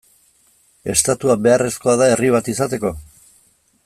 Estatua beharrezkoa da herri bat izateko?